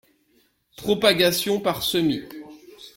Propagation par semis.